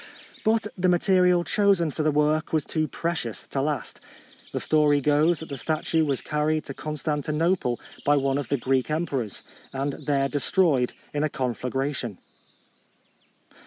But the ma terial chosen for the work was too precious to last The story goes that the statue was carried to Con stantinople by one of the Greek emperors, and there destroyed in a conflagration.